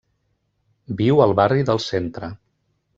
Viu al barri del Centre.